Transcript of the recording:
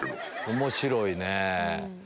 面白いね。